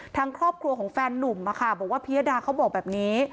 ทางครอบครัวของแฟนนุ่มบอกว่าพิยดาเขาบอกแบบนี้